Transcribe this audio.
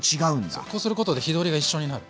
そうこうすることで火通りが一緒になる。